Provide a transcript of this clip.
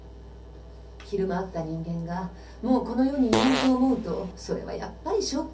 昼間会った人間がもうこの世にいないと思うとそれはやっぱりショックだわ。